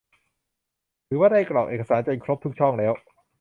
ถือว่าได้กรอกเอกสารจนครบทุกช่องแล้ว